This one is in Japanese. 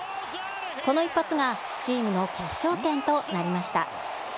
この一発がチームの決勝点となりました。